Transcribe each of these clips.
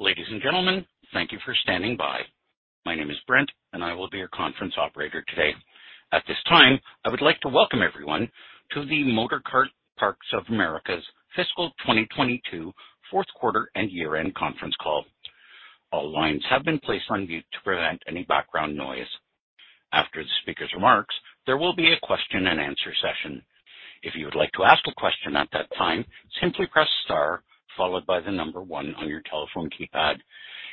Ladies and gentlemen, thank you for standing by. My name is Brent, and I will be your conference operator today. At this time, I would like to welcome everyone to the Motorcar Parts of America's fiscal 2022 fourth quarter and year-end conference call. All lines have been placed on mute to prevent any background noise. After the speaker's remarks, there will be a question-and-answer session. If you would like to ask a question at that time, simply press Star followed by the number one on your telephone keypad.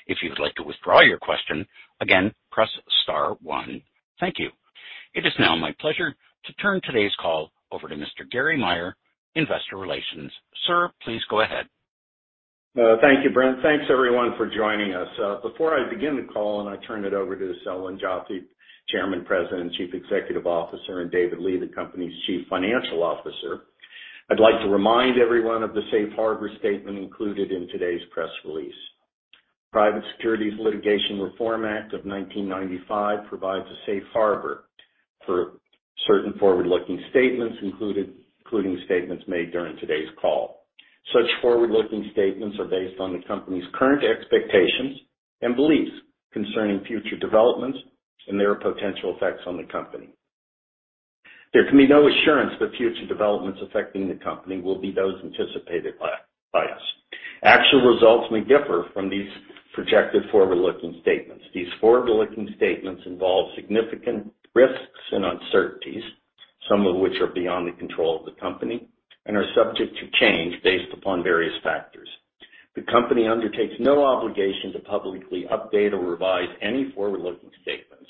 If you would like to withdraw your question, again, press star one. Thank you. It is now my pleasure to turn today's call over to Mr. Gary Maier, investor relations. Sir, please go ahead. Thank you, Brent. Thanks everyone for joining us. Before I begin the call and turn it over to Selwyn Joffe, Chairman, President, and Chief Executive Officer, and David Lee, the company's Chief Financial Officer, I'd like to remind everyone of the safe harbor statement included in today's press release. Private Securities Litigation Reform Act of 1995 provides a safe harbor for certain forward-looking statements included, including statements made during today's call. Such forward-looking statements are based on the company's current expectations and beliefs concerning future developments and their potential effects on the company. There can be no assurance that future developments affecting the company will be those anticipated by us. Actual results may differ from these projected forward-looking statements. These forward-looking statements involve significant risks and uncertainties, some of which are beyond the control of the company and are subject to change based upon various factors. The company undertakes no obligation to publicly update or revise any forward-looking statements,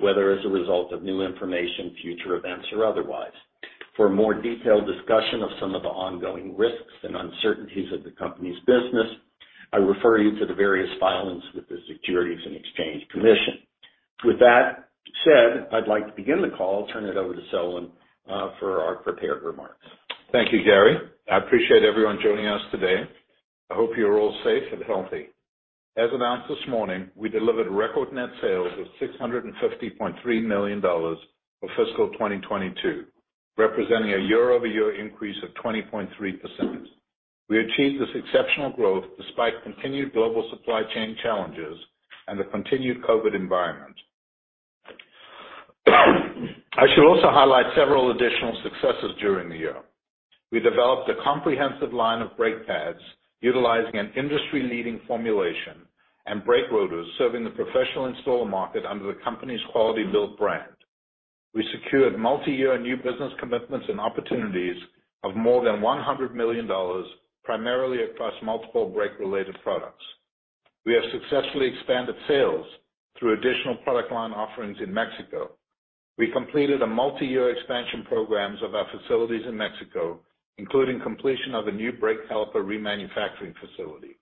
whether as a result of new information, future events, or otherwise. For more detailed discussion of some of the ongoing risks and uncertainties of the company's business, I refer you to the various filings with the Securities and Exchange Commission. With that said, I'd like to begin the call. Turn it over to Selwyn for our prepared remarks. Thank you, Gary. I appreciate everyone joining us today. I hope you're all safe and healthy. As announced this morning, we delivered record net sales of $650.3 million for fiscal 2022, representing a year-over-year increase of 20.3%. We achieved this exceptional growth despite continued global supply chain challenges and the continued COVID environment. I should also highlight several additional successes during the year. We developed a comprehensive line of brake pads utilizing an industry-leading formulation and brake rotors serving the professional installer market under the company's Quality-Built brand. We secured multi-year new business commitments and opportunities of more than $100 million, primarily across multiple brake-related products. We have successfully expanded sales through additional product line offerings in Mexico. We completed a multi-year expansion programs of our facilities in Mexico, including completion of a new brake caliper remanufacturing facility.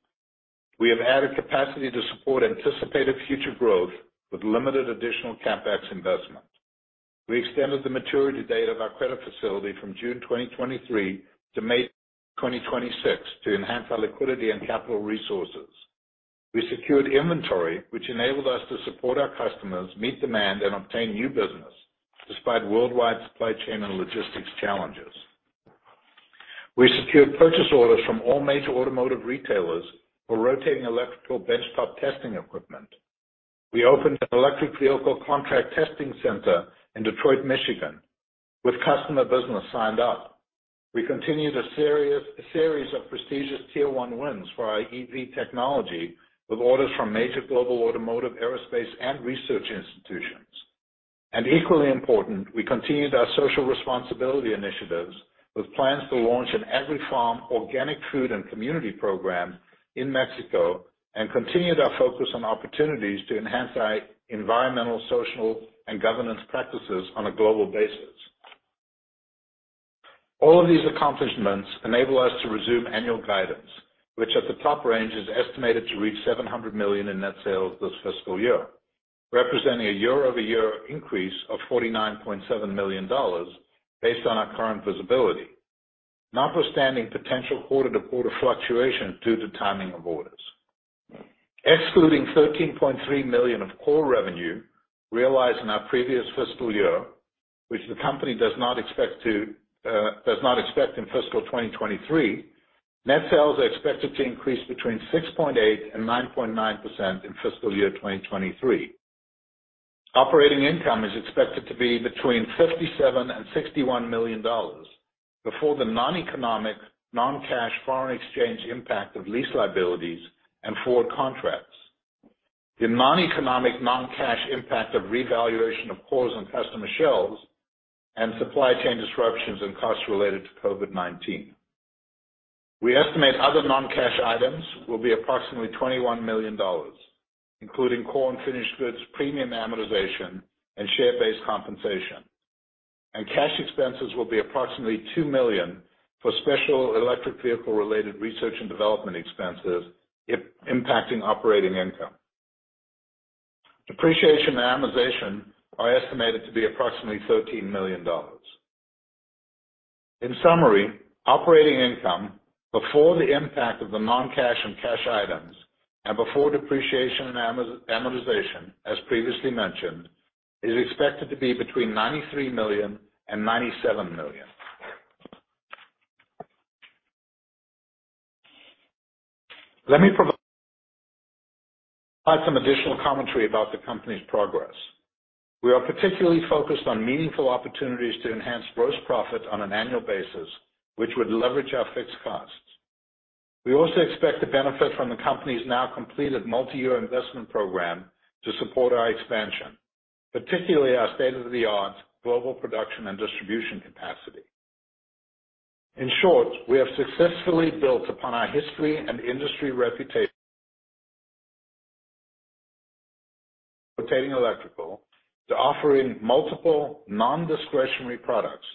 We have added capacity to support anticipated future growth with limited additional CapEx investment. We extended the maturity date of our credit facility from June 2023 to May 2026 to enhance our liquidity and capital resources. We secured inventory, which enabled us to support our customers, meet demand, and obtain new business despite worldwide supply chain and logistics challenges. We secured purchase orders from all major automotive retailers for rotating electrical benchtop testing equipment. We opened an electric vehicle contract testing center in Detroit, Michigan, with customer business signed up. We continued a series of prestigious tier one wins for our EV technology with orders from major global automotive, aerospace, and research institutions. Equally important, we continued our social responsibility initiatives with plans to launch an Every Farm organic food and community program in Mexico and continued our focus on opportunities to enhance our environmental, social, and governance practices on a global basis. All of these accomplishments enable us to resume annual guidance, which at the top range is estimated to reach $700 million in net sales this fiscal year, representing a year-over-year increase of $49.7 million based on our current visibility, notwithstanding potential quarter-to-quarter fluctuation due to timing of orders. Excluding $13.3 million of core revenue realized in our previous fiscal year, which the company does not expect in fiscal 2023, net sales are expected to increase between 6.8% and 9.9% in fiscal year 2023. Operating income is expected to be between $57 million and $61 million before the non-economic, non-cash foreign exchange impact of lease liabilities and forward contracts. The non-economic, non-cash impact of revaluation of cores on customer shelves and supply chain disruptions and costs related to COVID-19. We estimate other non-cash items will be approximately $21 million, including core and finished goods premium amortization and share-based compensation. Cash expenses will be approximately $2 million for special electric vehicle related research and development expenses, impacting operating income. Depreciation and amortization are estimated to be approximately $13 million. In summary, operating income before the impact of the non-cash and cash items and before depreciation and amortization, as previously mentioned, is expected to be between $93 million and $97 million. Let me provide some additional commentary about the company's progress. We are particularly focused on meaningful opportunities to enhance gross profit on an annual basis, which would leverage our fixed costs. We also expect to benefit from the company's now completed multi-year investment program to support our expansion, particularly our state-of-the-art global production and distribution capacity. In short, we have successfully built upon our history and industry reputation in electrical to offering multiple non-discretionary products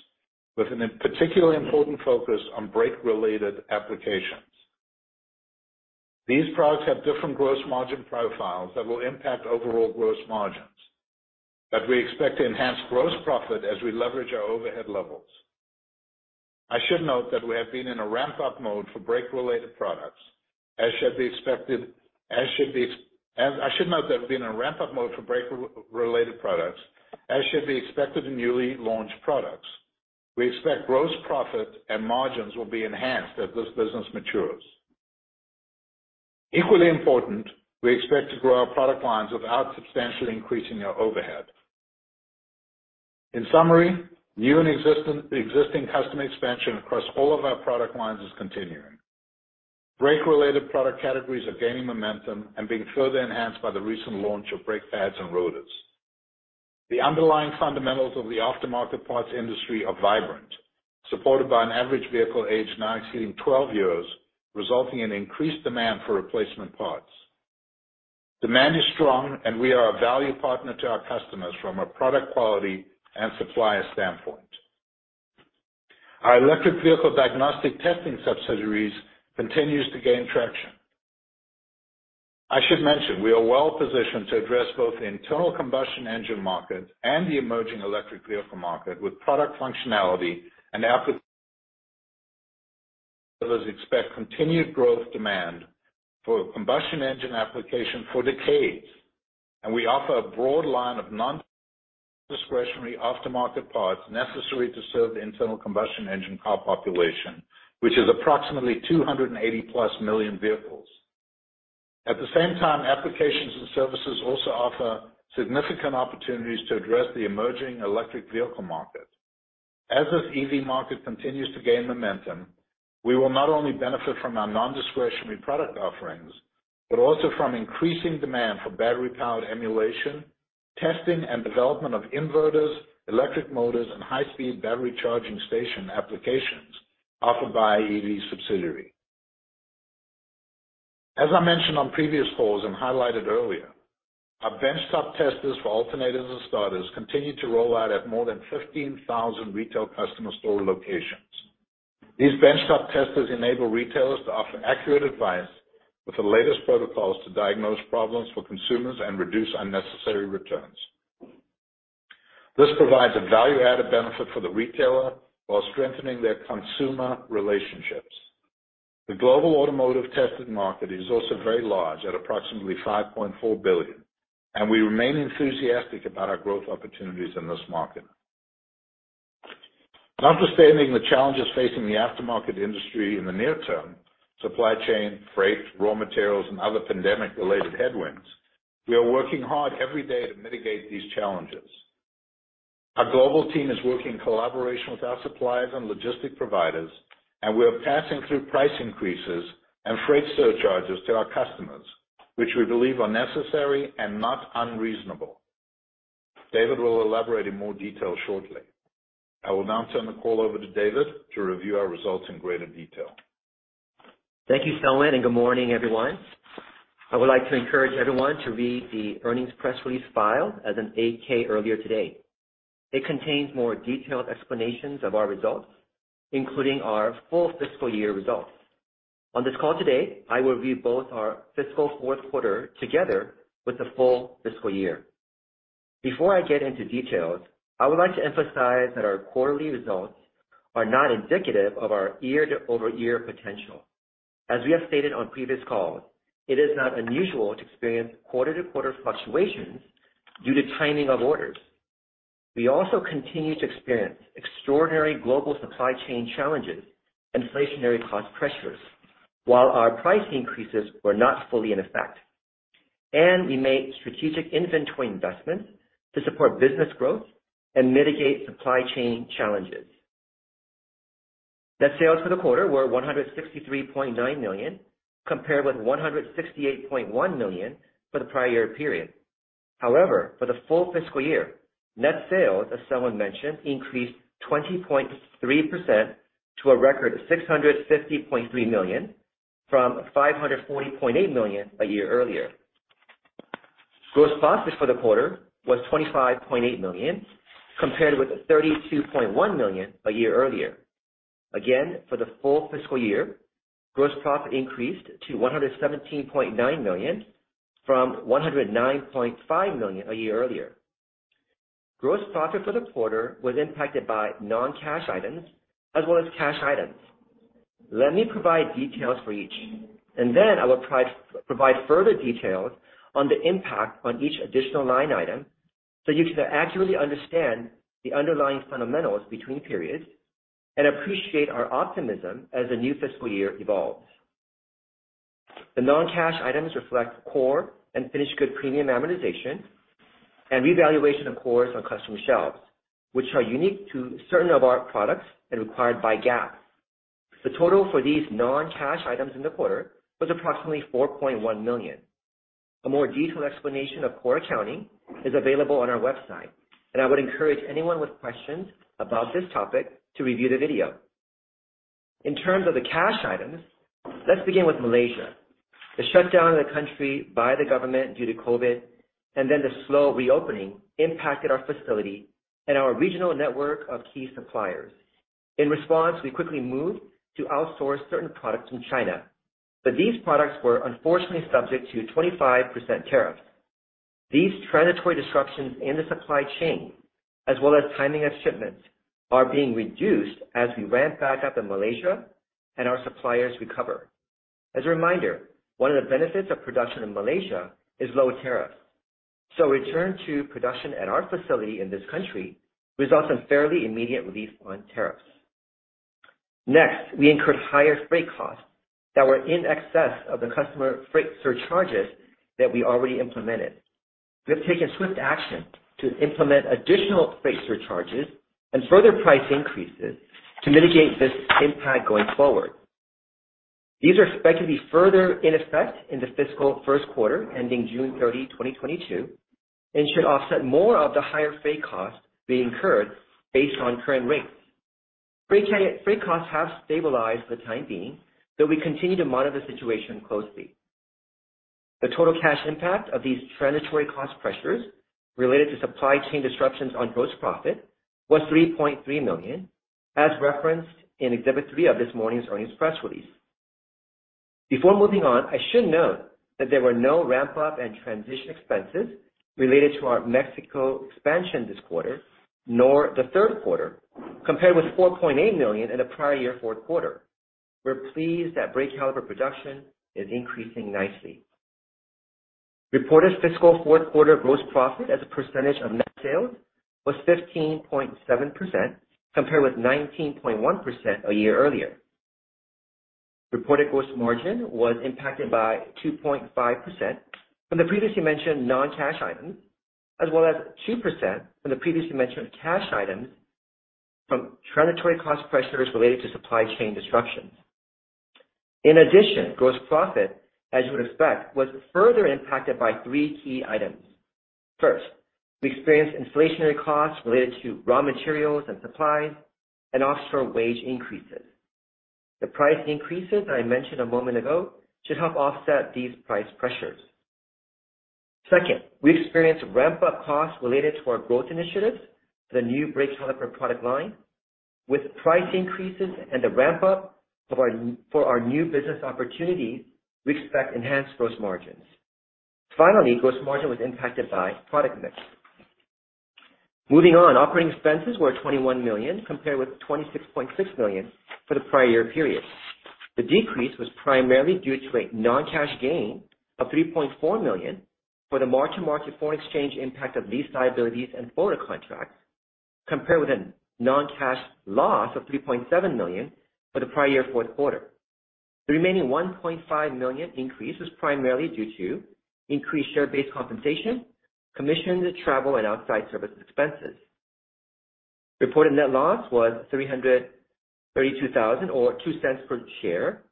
with a particularly important focus on brake-related applications. These products have different gross margin profiles that will impact overall gross margins, but we expect to enhance gross profit as we leverage our overhead levels. I should note that we've been in a ramp-up mode for brake-related products as should be expected in newly launched products. We expect gross profit and margins will be enhanced as this business matures. Equally important, we expect to grow our product lines without substantially increasing our overhead. In summary, new and existing customer expansion across all of our product lines is continuing. Brake-related product categories are gaining momentum and being further enhanced by the recent launch of brake pads and rotors. The underlying fundamentals of the aftermarket parts industry are vibrant, supported by an average vehicle age now exceeding 12 years, resulting in increased demand for replacement parts. Demand is strong, and we are a value partner to our customers from a product quality and supplier standpoint. Our electric vehicle diagnostic testing subsidiaries continues to gain traction. I should mention we are well positioned to address both the internal combustion engine market and the emerging electric vehicle market with product functionality and we expect continued growth and demand for combustion engine applications for decades. We offer a broad line of non-discretionary aftermarket parts necessary to serve the internal combustion engine car population, which is approximately 280+ million vehicles. At the same time, applications and services also offer significant opportunities to address the emerging electric vehicle market. As this EV market continues to gain momentum, we will not only benefit from our non-discretionary product offerings, but also from increasing demand for battery-powered emulation, testing, and development of inverters, electric motors, and high-speed battery charging station applications offered by our EV subsidiary. As I mentioned on previous calls and highlighted earlier, our benchtop testers for alternators and starters continue to roll out at more than 15,000 retail customer store locations. These benchtop testers enable retailers to offer accurate advice with the latest protocols to diagnose problems for consumers and reduce unnecessary returns. This provides a value-added benefit for the retailer while strengthening their consumer relationships. The global automotive test equipment market is also very large at approximately $5.4 billion, and we remain enthusiastic about our growth opportunities in this market. Notwithstanding the challenges facing the aftermarket industry in the near term, supply chain, freight, raw materials, and other pandemic-related headwinds, we are working hard every day to mitigate these challenges. Our global team is working in collaboration with our suppliers and logistics providers, and we are passing through price increases and freight surcharges to our customers, which we believe are necessary and not unreasonable. David will elaborate in more detail shortly. I will now turn the call over to David to review our results in greater detail. Thank you, Selwyn, and good morning, everyone. I would like to encourage everyone to read the earnings press release filed as an 8-K earlier today. It contains more detailed explanations of our results, including our full fiscal year results. On this call today, I will review both our fiscal fourth quarter together with the full fiscal year. Before I get into details, I would like to emphasize that our quarterly results are not indicative of our year-over-year potential. As we have stated on previous calls, it is not unusual to experience quarter-to-quarter fluctuations due to timing of orders. We also continue to experience extraordinary global supply chain challenges, inflationary cost pressures while our price increases were not fully in effect. We made strategic inventory investments to support business growth and mitigate supply chain challenges. Net sales for the quarter were $163.9 million, compared with $168.1 million for the prior year period. However, for the full fiscal year, net sales, as Selwyn mentioned, increased 20.3% to a record $650.3 million from $540.8 million a year earlier. Gross profit for the quarter was $25.8 million, compared with $32.1 million a year earlier. Again, for the full fiscal year, gross profit increased to $117.9 million from $109.5 million a year earlier. Gross profit for the quarter was impacted by non-cash items as well as cash items. Let me provide details for each, and then I will try to provide further details on the impact on each additional line item, so you can accurately understand the underlying fundamentals between periods and appreciate our optimism as the new fiscal year evolves. The non-cash items reflect core and finished goods premium amortization and revaluation of cores on custom shelves, which are unique to certain of our products and required by GAAP. The total for these non-cash items in the quarter was approximately $4.1 million. A more detailed explanation of core accounting is available on our website, and I would encourage anyone with questions about this topic to review the video. In terms of the cash items, let's begin with Malaysia. The shutdown of the country by the government due to COVID, and then the slow reopening impacted our facility and our regional network of key suppliers. In response, we quickly moved to outsource certain products from China, but these products were unfortunately subject to 25% tariff. These transitory disruptions in the supply chain as well as timing of shipments are being reduced as we ramp back up in Malaysia and our suppliers recover. As a reminder, one of the benefits of production in Malaysia is low tariff. A return to production at our facility in this country results in fairly immediate relief on tariffs. Next, we incurred higher freight costs that were in excess of the customer freight surcharges that we already implemented. We have taken swift action to implement additional freight surcharges and further price increases to mitigate this impact going forward. These are expected to be further in effect in the fiscal first quarter ending June 30, 2022, and should offset more of the higher freight costs being incurred based on current rates. Freight costs have stabilized for the time being, though we continue to monitor the situation closely. The total cash impact of these transitory cost pressures related to supply chain disruptions on gross profit was $3.3 million, as referenced in Exhibit 3 of this morning's earnings press release. Before moving on, I should note that there were no ramp-up and transition expenses related to our Mexico expansion this quarter, nor the third quarter, compared with $4.8 million in the prior year fourth quarter. We're pleased that brake caliper production is increasing nicely. Reported fiscal fourth quarter gross profit as a percentage of net sales was 15.7%, compared with 19.1% a year earlier. Reported gross margin was impacted by 2.5% from the previously mentioned non-cash items, as well as 2% from the previously mentioned cash items from transitory cost pressures related to supply chain disruptions. In addition, gross profit, as you would expect, was further impacted by three key items. First, we experienced inflationary costs related to raw materials and supplies and offshore wage increases. The price increases that I mentioned a moment ago should help offset these price pressures. Second, we experienced ramp-up costs related to our growth initiatives for the new brake caliper product line. With price increases and the ramp-up for our new business opportunities, we expect enhanced gross margins. Finally, gross margin was impacted by product mix. Moving on. Operating expenses were $21 million, compared with $26.6 million for the prior year period. The decrease was primarily due to a non-cash gain of $3.4 million for the mark-to-market foreign exchange impact of lease liabilities and forward contracts, compared with a non-cash loss of $3.7 million for the prior year fourth quarter. The remaining $1.5 million increase was primarily due to increased share-based compensation, commissions, travel, and outside services expenses. Reported net loss was $332,000 or $0.02 per share.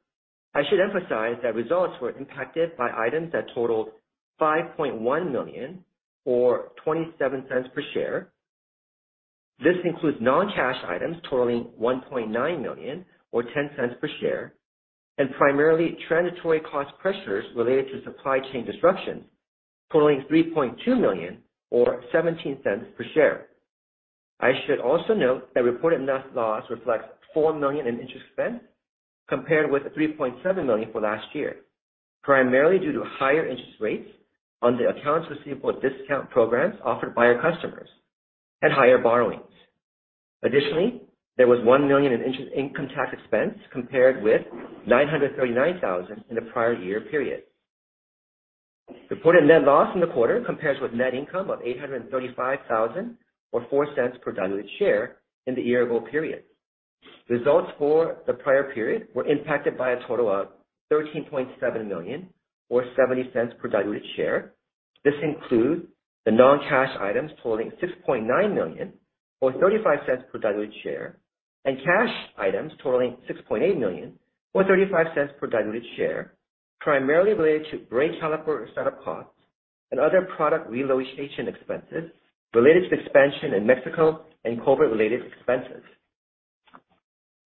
I should emphasize that results were impacted by items that totaled $5.1 million or $0.27 per share. This includes non-cash items totaling $1.9 million or $0.10 per share, and primarily transitory cost pressures related to supply chain disruptions totaling $3.2 million or $0.17 per share. I should also note that reported net loss reflects $4 million in interest expense compared with $3.7 million for last year, primarily due to higher interest rates on the accounts receivable discount programs offered by our customers and higher borrowings. Additionally, there was $1 million in interest income, tax expense compared with $939,000 in the prior year period. Reported net loss in the quarter compares with net income of $835,000 or $0.04 per diluted share in the year-ago period. Results for the prior period were impacted by a total of $13.7 million or $0.70 per diluted share. This includes the non-cash items totaling $6.9 million or $0.35 per diluted share and cash items totaling $6.8 million or $0.35 per diluted share, primarily related to brake caliper setup costs and other product relocation expenses related to expansion in Mexico and COVID-related expenses.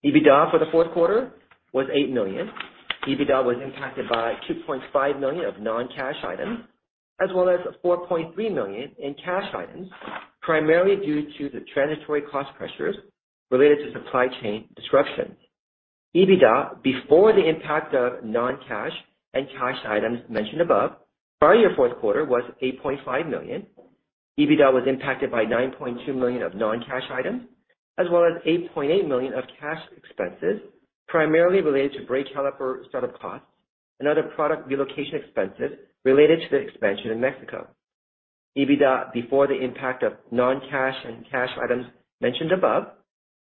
EBITDA for the fourth quarter was $8 million. EBITDA was impacted by $2.5 million of non-cash items as well as $4.3 million in cash items, primarily due to the transitory cost pressures related to supply chain disruptions. EBITDA before the impact of non-cash and cash items mentioned above, prior year fourth quarter was $8.5 million. EBITDA was impacted by $9.2 million of non-cash items as well as $8.8 million of cash expenses, primarily related to brake caliper setup costs and other product relocation expenses related to the expansion in Mexico. EBITDA before the impact of non-cash and cash items mentioned above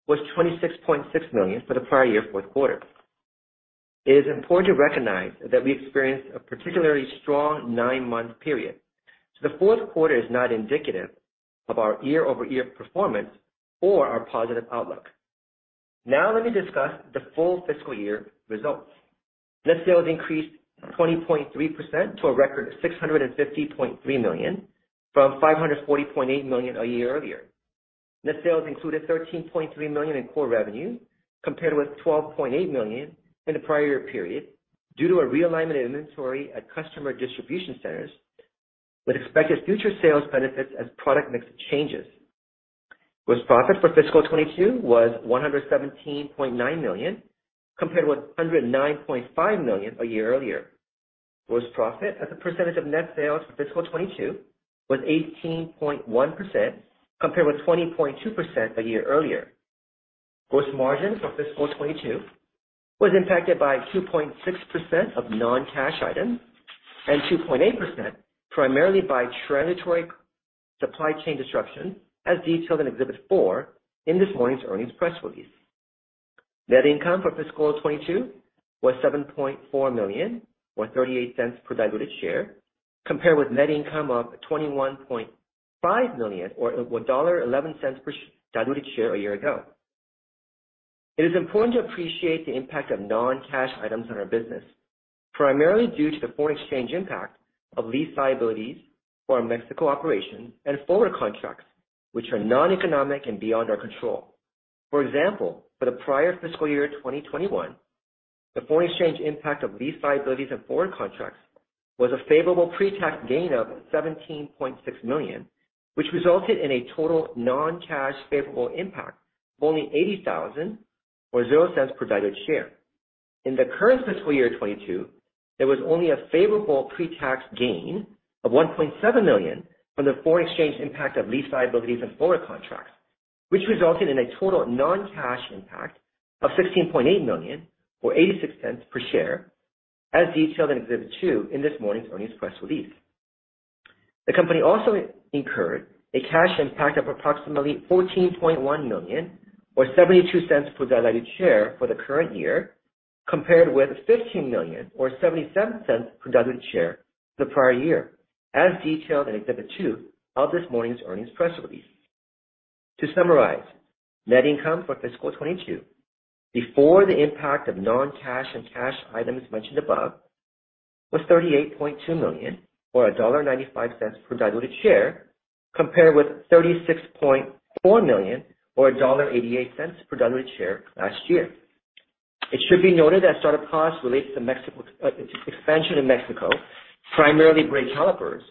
was $26.6 million for the prior year fourth quarter. It is important to recognize that we experienced a particularly strong 9-month period, so the fourth quarter is not indicative of our year-over-year performance or our positive outlook. Now let me discuss the full fiscal year results. Net sales increased 20.3% to a record of $650.3 million from $540.8 million a year earlier. Net sales included $13.3 million in core revenue compared with $12.8 million in the prior period due to a realignment of inventory at customer distribution centers, but we expect future sales benefits as product mix changes. Gross profit for fiscal 2022 was $117.9 million, compared with $109.5 million a year earlier. Gross profit as a percentage of net sales for fiscal 2022 was 18.1%, compared with 20.2% a year earlier. Gross margin for fiscal 2022 was impacted by 2.6% of non-cash items and 2.8% primarily by transitory supply chain disruption as detailed in Exhibit 4 in this morning's earnings press release. Net income for fiscal 2022 was $7.4 million, or $0.38 per diluted share, compared with net income of $21.5 million or $1.11 per diluted share a year ago. It is important to appreciate the impact of non-cash items on our business, primarily due to the foreign exchange impact of lease liabilities for our Mexico operations and forward contracts, which are non-economic and beyond our control. For example, for the prior fiscal year 2021, the foreign exchange impact of lease liabilities and forward contracts was a favorable pre-tax gain of $17.6 million, which resulted in a total non-cash favorable impact of only $80,000 or $0.00 per diluted share. In the current fiscal year 2022, there was only a favorable pre-tax gain of $1.7 million from the foreign exchange impact of lease liabilities and forward contracts, which resulted in a total non-cash impact of $16.8 million or $0.86 per share as detailed in Exhibit 2 in this morning's earnings press release. The company also incurred a cash impact of approximately $14.1 million or $0.72 per diluted share for the current year, compared with $15 million or $0.77 per diluted share the prior year, as detailed in Exhibit 2 of this morning's earnings press release. To summarize, net income for fiscal 2022 before the impact of non-cash and cash items mentioned above was $38.2 million or $1.95 per diluted share, compared with $36.4 million or $1.88 per diluted share last year. It should be noted that startup costs related to Mexico expansion in Mexico, primarily brake calipers,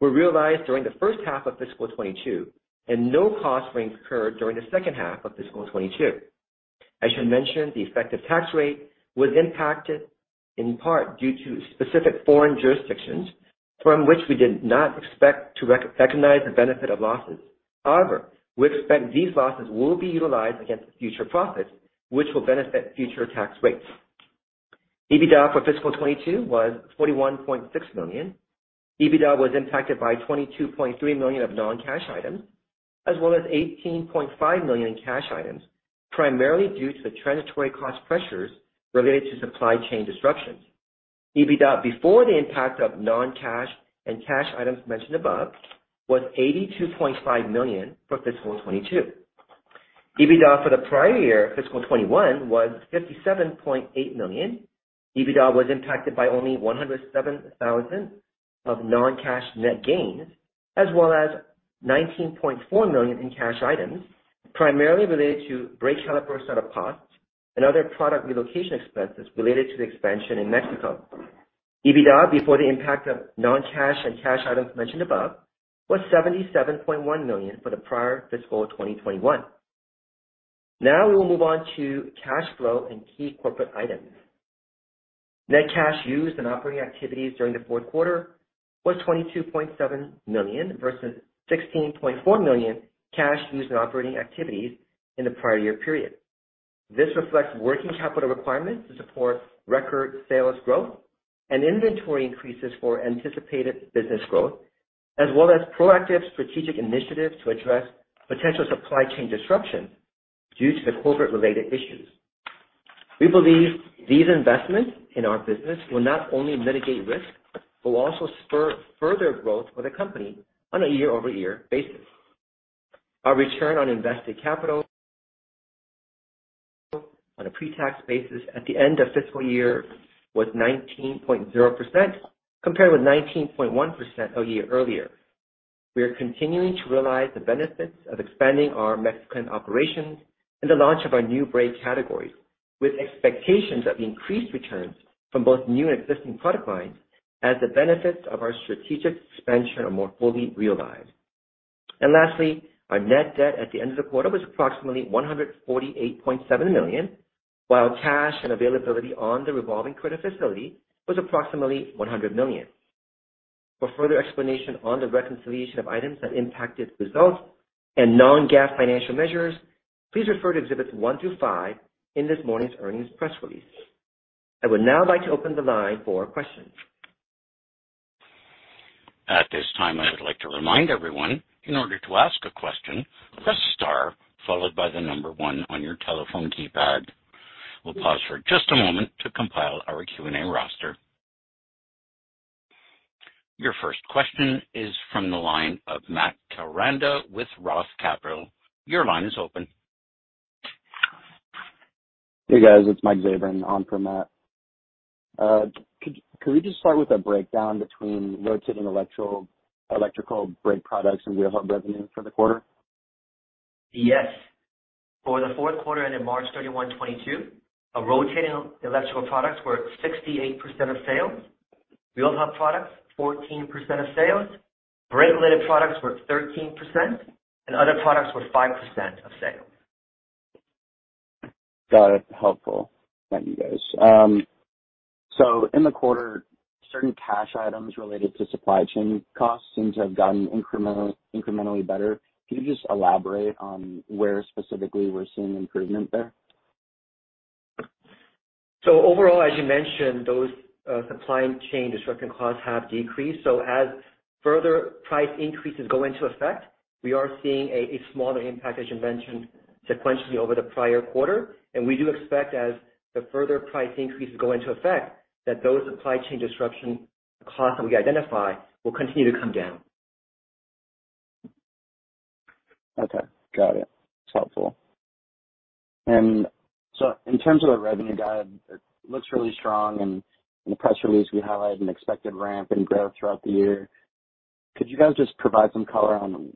were realized during the first half of fiscal 2022, and no costs were incurred during the second half of fiscal 2022. I should mention, the effective tax rate was impacted in part due to specific foreign jurisdictions from which we did not expect to recognize the benefit of losses. However, we expect these losses will be utilized against future profits, which will benefit future tax rates. EBITDA for fiscal 2022 was $41.6 million. EBITDA was impacted by $22.3 million of non-cash items as well as $18.5 million in cash items, primarily due to the transitory cost pressures related to supply chain disruptions. EBITDA, before the impact of non-cash and cash items mentioned above, was $82.5 million for fiscal 2022. EBITDA for the prior year, fiscal 2021, was $57.8 million. EBITDA was impacted by only $107,000 of non-cash net gains as well as $19.4 million in cash items primarily related to brake caliper setup costs and other product relocation expenses related to the expansion in Mexico. EBITDA before the impact of non-cash and cash items mentioned above was $77.1 million for the prior fiscal 2021. Now we will move on to cash flow and key corporate items. Net cash used in operating activities during the fourth quarter was $22.7 million versus $16.4 million cash used in operating activities in the prior year period. This reflects working capital requirements to support record sales growth and inventory increases for anticipated business growth as well as proactive strategic initiatives to address potential supply chain disruptions due to the COVID-related issues. We believe these investments in our business will not only mitigate risk, but will also spur further growth for the company on a year-over-year basis. Our return on invested capital on a pre-tax basis at the end of fiscal year was 19.0%, compared with 19.1% a year earlier. We are continuing to realize the benefits of expanding our Mexican operations and the launch of our new brake categories with expectations of increased returns from both new and existing product lines as the benefits of our strategic expansion are more fully realized. Lastly, our net debt at the end of the quarter was approximately $148.7 million. While cash and availability on the revolving credit facility was approximately $100 million. For further explanation on the reconciliation of items that impacted results and non-GAAP financial measures, please refer to Exhibits 1 through 5 in this morning's earnings press release. I would now like to open the line for questions. At this time, I would like to remind everyone, in order to ask a question, press star followed by the number one on your telephone keypad. We'll pause for just a moment to compile our Q&A roster. Your first question is from the line of Matt Koranda with ROTH Capital. Your line is open. Hey, guys, it's Mike Zabrin on for Matt. Could we just start with a breakdown between rotating electrical brake products and wheel hub revenue for the quarter? Yes. For the fourth quarter and in March 31, 2022, our rotating electrical products were 68% of sales. Wheel hub products, 14% of sales. Brake-related products were 13%, and other products were 5% of sales. Got it. Helpful. Thank you, guys. In the quarter, certain cash items related to supply chain costs seem to have gotten incrementally better. Can you just elaborate on where specifically we're seeing improvement there? Overall, as you mentioned, those supply chain disruption costs have decreased. As further price increases go into effect, we are seeing a smaller impact, as you mentioned, sequentially over the prior quarter. We do expect as the further price increases go into effect, that those supply chain disruption costs that we identify will continue to come down. Okay. Got it. It's helpful. In terms of the revenue guide, it looks really strong. In the press release, we highlighted an expected ramp in growth throughout the year. Could you guys just provide some color on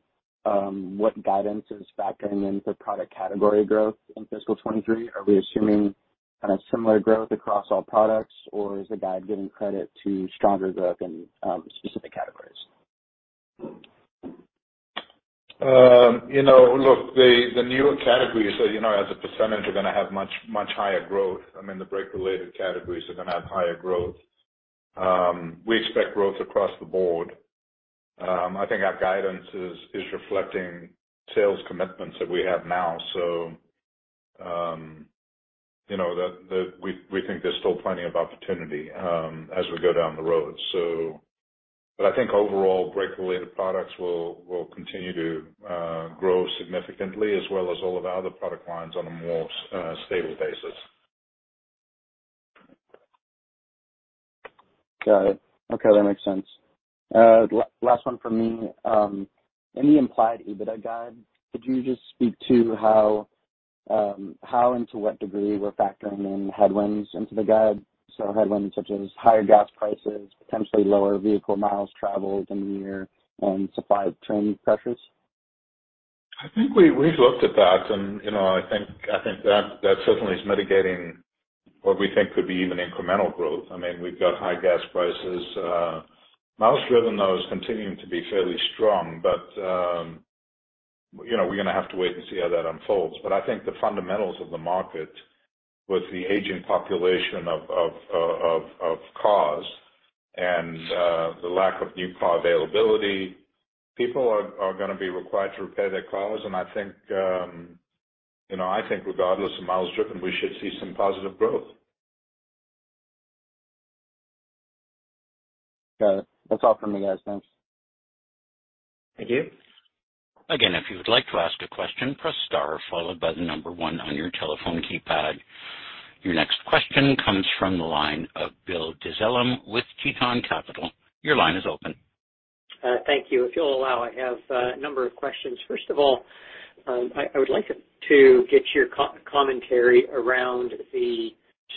what guidance is factoring into product category growth in fiscal 2023? Are we assuming kind of similar growth across all products, or is the guide giving credit to stronger growth in specific categories? You know, look, the newer categories, you know, as a percentage are gonna have much higher growth. I mean, the brake related categories are gonna have higher growth. We expect growth across the board. I think our guidance is reflecting sales commitments that we have now. You know, that we think there's still plenty of opportunity, as we go down the road. I think overall, brake related products will continue to grow significantly as well as all of our other product lines on a more stable basis. Got it. Okay, that makes sense. Last one for me. In the implied EBITDA guide, could you just speak to how and to what degree we're factoring in headwinds into the guide? Headwinds such as higher gas prices, potentially lower vehicle miles traveled in the year, and supply chain pressures. I think we've looked at that. You know, I think that certainly is mitigating what we think could be even incremental growth. I mean, we've got high gas prices. Miles driven, though, is continuing to be fairly strong. You know, we're gonna have to wait and see how that unfolds. I think the fundamentals of the market with the aging population of cars and the lack of new car availability, people are gonna be required to repair their cars. I think, you know, regardless of miles driven, we should see some positive growth. Got it. That's all from me, guys. Thanks. Thank you. Again, if you would like to ask a question, press star followed by the number one on your telephone keypad. Your next question comes from the line of Bill Dezellem with Tieton Capital. Your line is open. Thank you. If you'll allow, I have a number of questions. First of all, I would like to get your commentary around the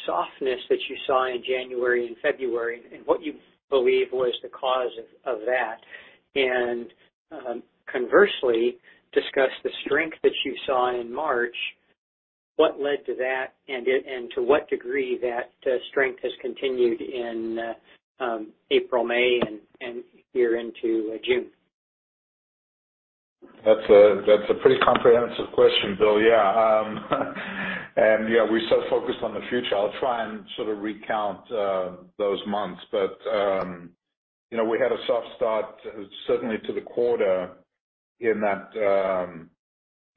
softness that you saw in January and February and what you believe was the cause of that. Conversely, discuss the strength that you saw in March. What led to that, and to what degree that strength has continued in April, May, and here into June? That's a pretty comprehensive question, Bill. Yeah. We're so focused on the future. I'll try and sort of recount those months. You know, we had a soft start certainly to the quarter in that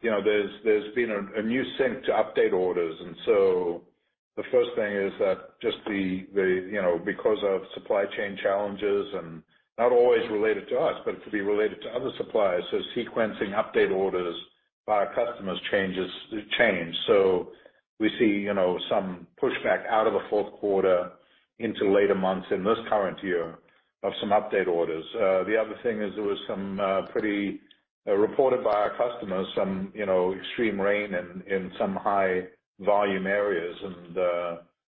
you know, there's been a new sync to update orders. The first thing is that just the you know, because of supply chain challenges and not always related to us, but could be related to other suppliers. Sequencing update orders by our customers changes. We see you know, some pushback out of the fourth quarter into later months in this current year of some update orders. The other thing is there was some pretty heavy rain reported by our customers in some high volume areas and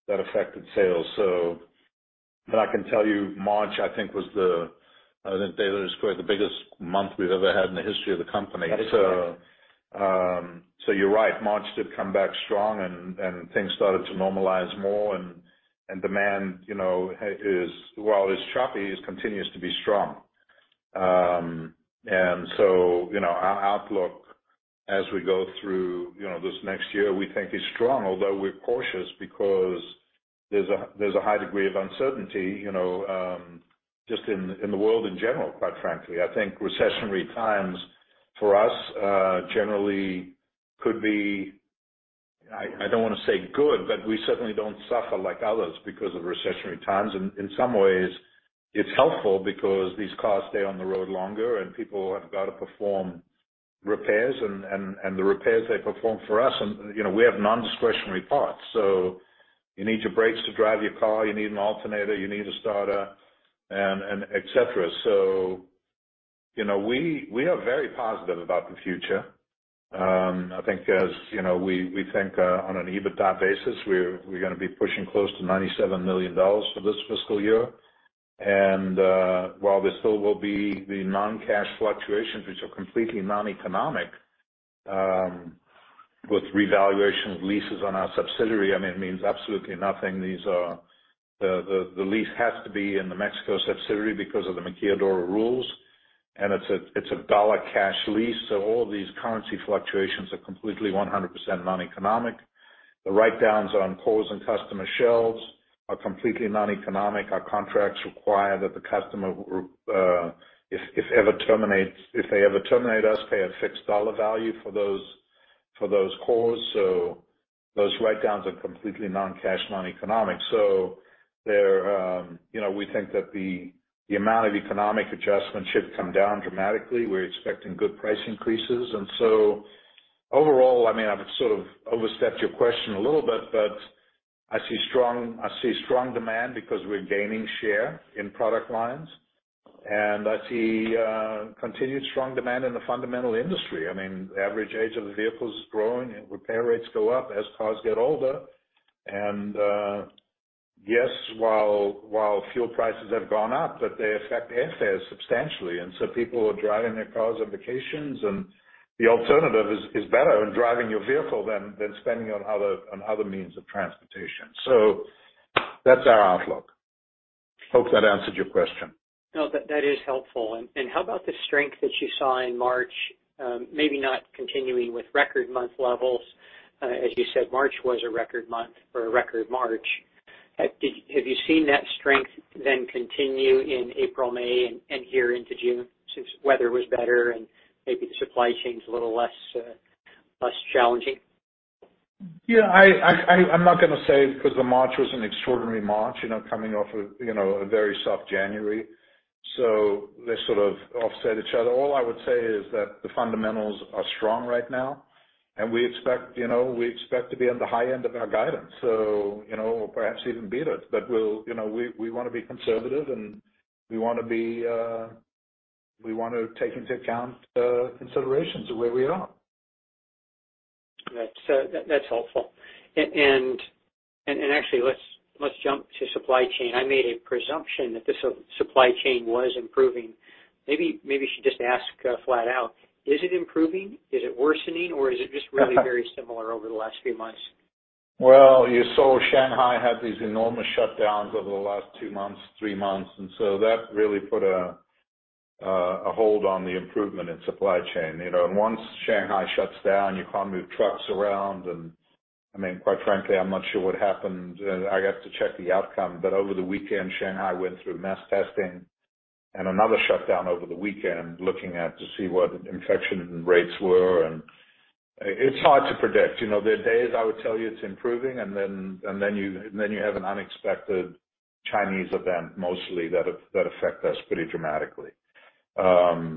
that affected sales. I can tell you, March, I think, was the, I think David Lee described the biggest month we've ever had in the history of the company. That is correct. You're right, March did come back strong and things started to normalize more. Demand, you know, is, while it is choppy, it continues to be strong. You know, our outlook as we go through, you know, this next year, we think is strong although we're cautious because there's a high degree of uncertainty, you know, just in the world in general, quite frankly. I think recessionary times for us generally could be, I don't wanna say good, but we certainly don't suffer like others because of recessionary times. In some ways, it's helpful because these cars stay on the road longer and people have got to perform repairs and the repairs they perform for us and, you know, we have non-discretionary parts. You need your brakes to drive your car, you need an alternator, you need a starter and etc. You know, we are very positive about the future. I think, as you know, we think on an EBITDA basis, we're gonna be pushing close to $97 million for this fiscal year. While there still will be the non-cash fluctuations which are completely non-economic with revaluation of leases on our subsidiary, I mean, it means absolutely nothing. These are. The lease has to be in the Mexico subsidiary because of the Maquiladora rules, and it's a dollar cash lease, so all these currency fluctuations are completely 100% non-economic. The write-downs on cores and customer shelves are completely non-economic. Our contracts require that the customer, if they ever terminate us, pay a fixed dollar value for those cores. Those write-downs are completely non-cash, non-economic. They're we think that the amount of economic adjustment should come down dramatically. We're expecting good price increases. Overall, I mean, I've sort of overstepped your question a little bit, but I see strong demand because we're gaining share in product lines. I see continued strong demand in the fundamental industry. I mean, the average age of the vehicles is growing and repair rates go up as cars get older. Yes, while fuel prices have gone up, but they affect airfares substantially, and so people are driving their cars on vacations and the alternative is better in driving your vehicle than spending on other means of transportation. That's our outlook. Hope that answered your question. No, that is helpful. How about the strength that you saw in March, maybe not continuing with record month levels? As you said, March was a record month or a record March. Have you seen that strength then continue in April, May, and here into June since weather was better and maybe the supply chain's a little less challenging? Yeah. I'm not gonna say because the March was an extraordinary March, you know, coming off a you know, a very soft January. They sort of offset each other. All I would say is that the fundamentals are strong right now, and we expect, you know, to be on the high end of our guidance, so, you know, or perhaps even beat it. We'll, you know, we wanna be conservative, and we want to take into account considerations of where we are. Right. That's helpful. Actually, let's jump to supply chain. I made a presumption that the supply chain was improving. Maybe I should just ask flat out, is it improving? Is it worsening? Or is it just really very similar over the last few months? Well, you saw Shanghai had these enormous shutdowns over the last two months, three months, and so that really put a hold on the improvement in supply chain. You know, once Shanghai shuts down, you can't move trucks around and, I mean, quite frankly, I'm not sure what happened. I have to check the outcome. Over the weekend, Shanghai went through mass testing and another shutdown over the weekend, looking to see what infection rates were. It's hard to predict. You know, there are days I would tell you it's improving, and then you have an unexpected Chinese event mostly that affect us pretty dramatically. The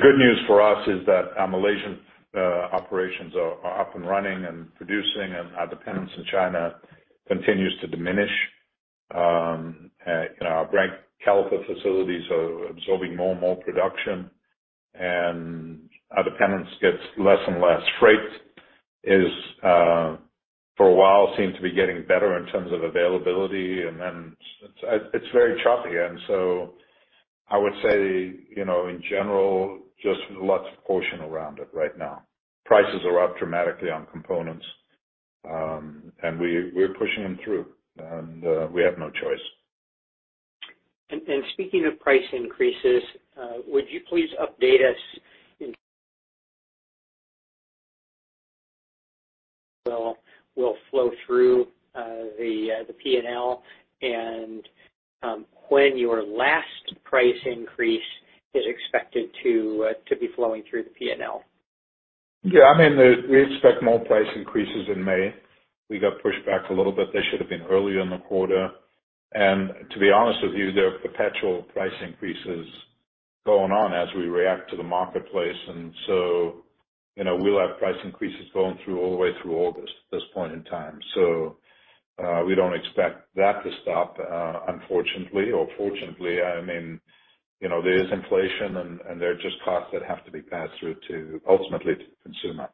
good news for us is that our Malaysian operations are up and running and producing, and our dependence on China continues to diminish. You know, our brake caliper facilities are absorbing more and more production, and our dependence gets less and less. Freight is for a while seemed to be getting better in terms of availability, and then it's very choppy. I would say, you know, in general, just lots of caution around it right now. Prices are up dramatically on components, and we're pushing them through, and we have no choice. Speaking of price increases, would you please update us on how it will flow through the P&L, and when your last price increase is expected to be flowing through the P&L? Yeah. I mean, we expect more price increases in May. We got pushed back a little bit. They should have been earlier in the quarter. To be honest with you, there are perpetual price increases going on as we react to the marketplace. You know, we'll have price increases going through all the way through August at this point in time. We don't expect that to stop, unfortunately or fortunately. I mean, you know, there is inflation and there are just costs that have to be passed through to ultimately to the consumer.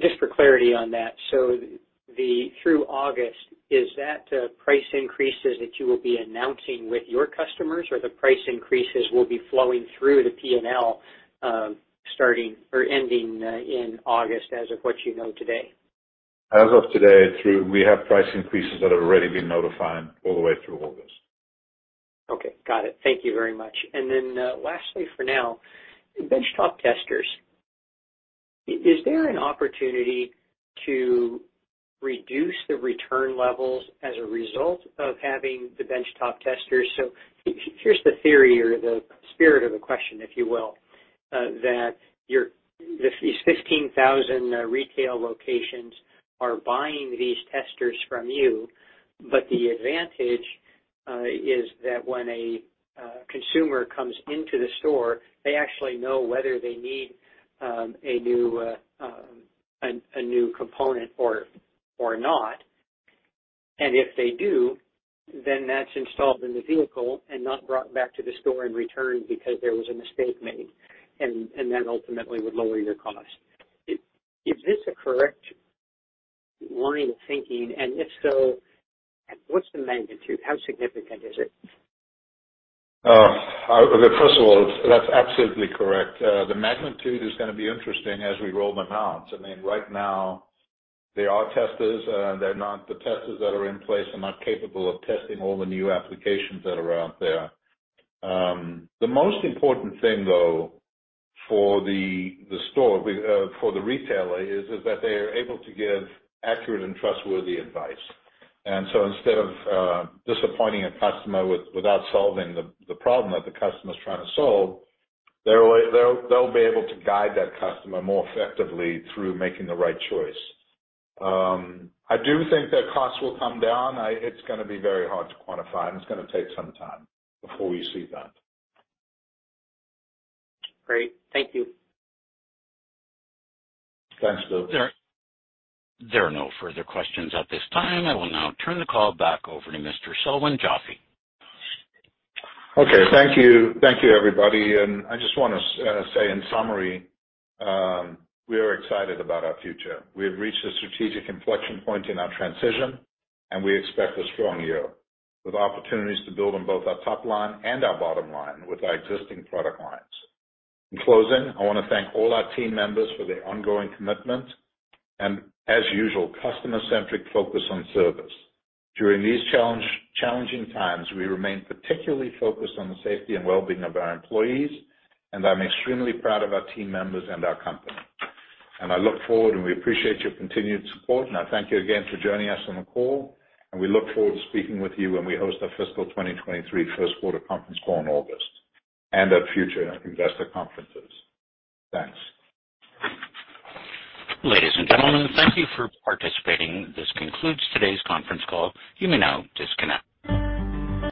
Just for clarity on that. Through August, is that increases that you will be announcing with your customers or the price increases will be flowing through the P&L, starting or ending in August as of what you know today? As of today, we have price increases that have already been notified all the way through August. Okay. Got it. Thank you very much. Lastly, for now, benchtop testers. Is there an opportunity to reduce the return levels as a result of having the benchtop testers? Here's the theory or the spirit of the question, if you will, that these 15,000 retail locations are buying these testers from you, but the advantage is that when a consumer comes into the store, they actually know whether they need a new component or not. If they do, then that's installed in the vehicle and not brought back to the store and returned because there was a mistake made, and that ultimately would lower your cost. Is this a correct line of thinking? If so, what's the magnitude? How significant is it? First of all, that's absolutely correct. The magnitude is gonna be interesting as we roll them out. I mean, right now, they are testers. The testers that are in place are not capable of testing all the new applications that are out there. The most important thing, though, for the retailer is that they are able to give accurate and trustworthy advice. Instead of disappointing a customer without solving the problem that the customer is trying to solve, they'll be able to guide that customer more effectively through making the right choice. I do think that costs will come down. It's gonna be very hard to quantify, and it's gonna take some time before we see that. Great. Thank you. Thanks, Bill Dezellem. There are no further questions at this time. I will now turn the call back over to Mr. Selwyn Joffe. Okay. Thank you. Thank you, everybody. I just wanna say in summary, we are excited about our future. We have reached a strategic inflection point in our transition, and we expect a strong year with opportunities to build on both our top line and our bottom line with our existing product lines. In closing, I wanna thank all our team members for their ongoing commitment and, as usual, customer-centric focus on service. During these challenging times, we remain particularly focused on the safety and well-being of our employees, and I'm extremely proud of our team members and our company. I look forward, and we appreciate your continued support. I thank you again for joining us on the call, and we look forward to speaking with you when we host our fiscal 2023 first quarter conference call in August and at future investor conferences. Thanks. Ladies and gentlemen, thank you for participating. This concludes today's conference call. You may now disconnect.